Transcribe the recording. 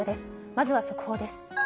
まずは速報です。